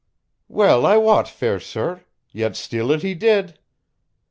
"Well I wot, fair sir; yet steal it he did.